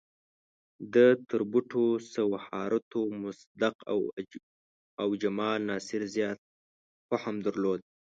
ده تر بوټو، سوهارتو، مصدق او جمال ناصر زیات فهم درلود.